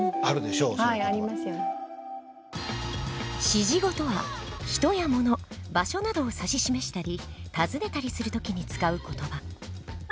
指示語とは人や物場所などを指し示したり尋ねたりする時に使う言葉。